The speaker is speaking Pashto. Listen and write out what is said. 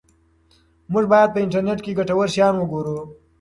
موږ باید په انټرنیټ کې ګټور شیان وګورو.